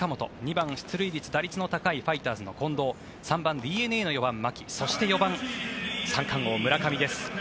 ２番、出塁率、打率の高いファイターズの近藤３番、ＤｅＮＡの牧４番、三冠王の村上です。